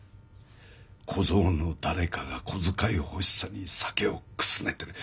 「小僧の誰かが小遣い欲しさに酒をくすねてる」。